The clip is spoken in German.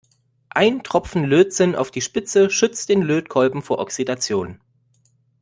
Ein Tropfen Lötzinn auf die Spitze schützt den Lötkolben vor Oxidation.